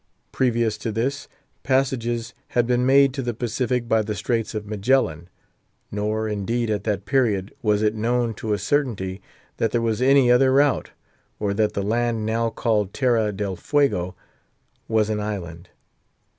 Previous to this, passages had been made to the Pacific by the Straits of Magellan; nor, indeed, at that period, was it known to a certainty that there was any other route, or that the land now called Terra del Fuego was an island.